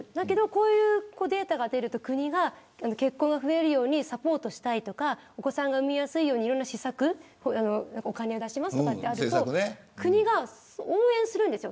こういうデータが出ると国が結婚が増えるようにサポートしたいとかお子さんが産みやすいようにいろんな施策をお金を出しますとか国が応援するんです。